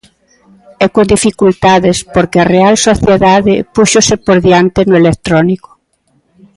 E con dificultades, porque a Real Sociedade púxose por diante no electrónico.